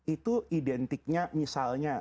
itu identiknya misalnya